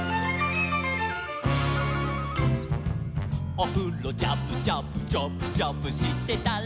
「おふろジャブジャブジャブジャブしてたら」